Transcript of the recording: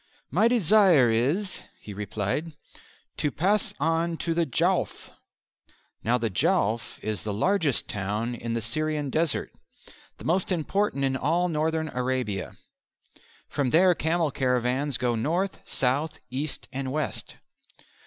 "My desire is," he replied, "to pass on to the Jowf." Now the Jowf is the largest town in the Syrian desert the most important in all Northern Arabia. From there camel caravans go north, south, east, and west.